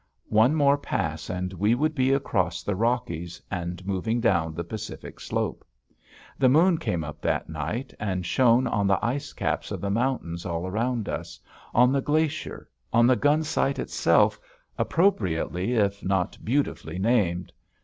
One more pass, and we should be across the Rockies and moving down the Pacific Slope. The moon came up that night and shone on the ice caps of the mountains all around us, on the glacier, on the Gunsight itself, appropriately if not beautifully named.